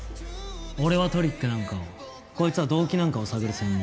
俺はトリックなんかをこいつは動機なんかを探る専門。